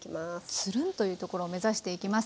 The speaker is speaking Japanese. つるんというところを目指していきます。